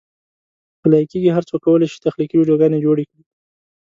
په لایکي کې هر څوک کولی شي تخلیقي ویډیوګانې جوړې کړي.